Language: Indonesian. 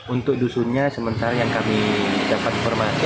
untuk dusunnya sementara yang kami dapat informasi